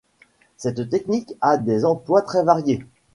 Cette technique a des emplois très variés.